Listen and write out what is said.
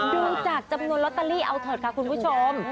ดูจากจำนวนลอตเตอรี่เอาเถอะค่ะคุณผู้ชม